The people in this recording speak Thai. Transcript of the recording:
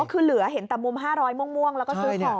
คือเหลือเห็นแต่มุม๕๐๐ม่วงแล้วก็ซื้อของ